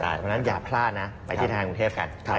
เพราะฉะนั้นอย่าพลาดนะไปที่ทางกรุงเทพกัน